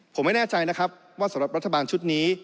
ผมไม่แน่ใจนะครับว่าสำหรับรัฐบาลชุดนี้